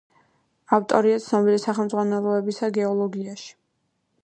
ავტორია ცნობილი სახელმძღვანელოებისა გეოლოგიაში.